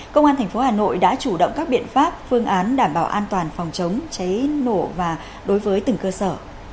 công an tp hà nội đã chủ động các biện pháp phương án đảm bảo an toàn phòng chống cháy nổ và đối với từng cơ sở